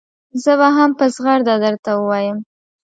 زه به هم په زغرده درته ووایم.